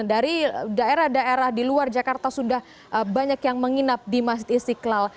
dari daerah daerah di luar jakarta sudah banyak yang menginap di masjid istiqlal